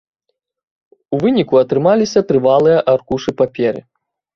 У выніку атрымаліся трывалыя аркушы паперы.